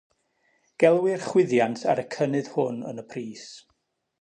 Gelwir chwyddiant ar y cynnydd hwn yn y pris.